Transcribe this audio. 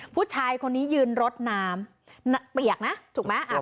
ผู้ชายคนนี้ยืนรดน้ำเปียกนะถูกไหม